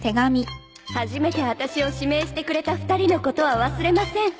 「初めて私を指名してくれた２人のことは忘れません。